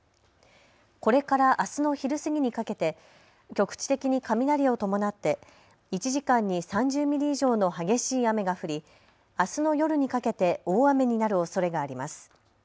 これからあすの昼過ぎにかけて局地的に雷を伴って１時間に３０ミリ以上の激しい雨が降りあすの夜にかけて大雨になるおそれがあります。